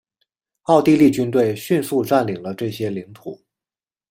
奥地利军队迅速占领了这些领土。